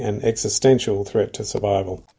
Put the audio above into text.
yang mewakili menyebabkan penyakit kewajiban